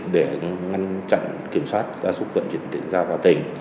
để ngăn chặn kiểm soát da súc vận chuyển tiền giao vào tỉnh